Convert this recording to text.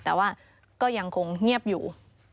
แต่ว่าก็ยังคงเงียบอยู่